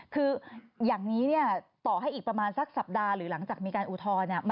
คืออย่างนี้ต่อให้อีกประมาณสักสัปดาห์หรือหลังจากมีการอุทธรณ์